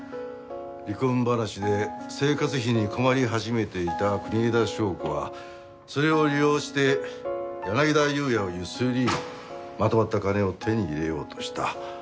離婚話で生活費に困り始めていた国枝祥子はそれを利用して柳田裕也を強請りまとまった金を手に入れようとした。